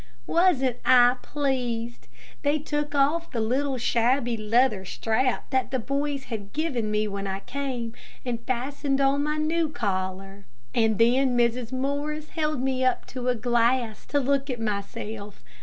Wasn't I pleased! They took off the little shabby leather strap that the boys had given me when I came, and fastened on my new collar, and then Mrs. Morris held me up to a glass to look at myself.